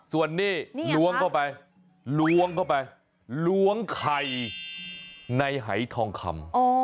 ส่วนนี้ล้วงเข้าไปล้วงเข้าไปล้วงไข่ในหายทองคำ